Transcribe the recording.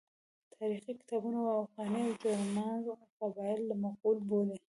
تاریخي کتابونه اوغاني او جرما قبایل مغول بولي.